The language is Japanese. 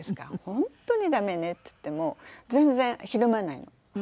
「本当に駄目ね」って言っても全然ひるまないの。